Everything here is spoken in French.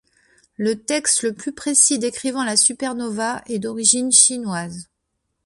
Le texte le plus précis décrivant la supernova est d'origine chinoise.